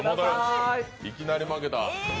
いきなり負けた。